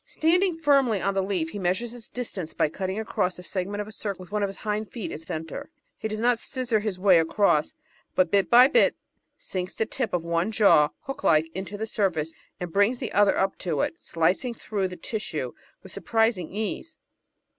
Standing firmly on the leaf he measures his distance by cutting across the segment of a circle with one of his hind feet as a centre. ... He does not scissor his way across, but bit by bit sinks the tip of one jaw, hook like, into the surface and brings the other up to it, slicing through the tissue with surprising ease.